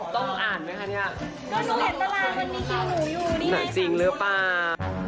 ตอนพิธีแต่งงานมันอาจอันเวลีหรือเป็นวัน